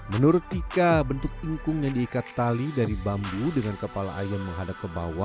menurut tika bentuk ingkung yang diikat tali dari bambu dengan kepala ayam menghadap ke bawah